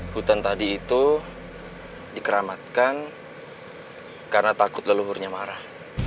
hutan tadi itu dikeramatkan karena takut leluhurnya marah